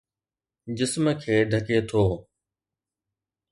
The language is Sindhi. جسم کي ڍڪي ٿو